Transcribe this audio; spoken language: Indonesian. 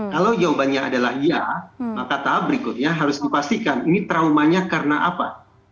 kalau jawabannya adalah iya maka tahap berikutnya harus dipastikan ini traumanya karena apa